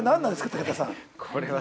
武田さん。